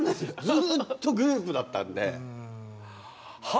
ずっとグループだったんで。は。